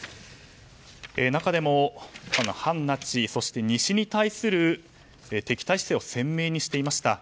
中でも反ナチ、そして西に対する敵対姿勢を鮮明にしていました。